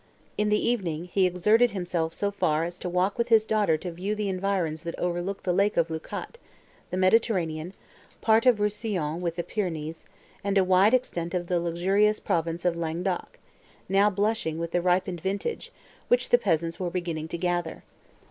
In the evening, he exerted himself so far as to walk with his daughter to view the environs that overlook the lake of Leucate, the Mediterranean, part of Rousillon, with the Pyrenees, and a wide extent of the luxuriant province of Languedoc, now blushing with the ripened vintage, which the peasants were beginning to gather.